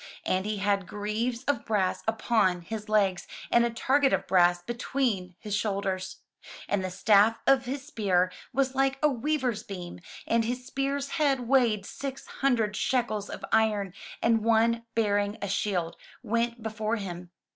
And he had greaves of brass upon his legs, and a target of brass between his shoulders. And the staff of his spear was like a weaver's beam ; and his spear's head weighed six hundred shekels of iron; and one bearing a shield went before him.